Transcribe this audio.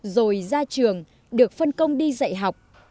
rồi ra trường được phân công đi dạy học